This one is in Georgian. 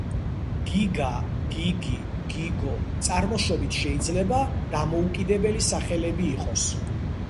გიგა, გიგი, გიგო წარმოშობით შეიძლება დამოუკიდებელი სახელები იყოს.